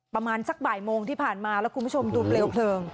ประมาณสักบ่ายโมงที่ผ่านมาแล้วคุณผู้ชมดูเปลวเพลิง